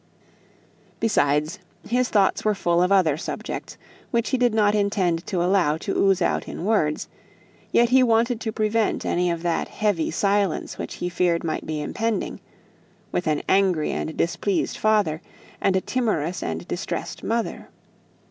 Besides, his thoughts were full of other subjects, which he did not intend to allow to ooze out in words, yet he wanted to prevent any of that heavy silence which he feared might be impending with an angry and displeased father, and a timorous and distressed mother.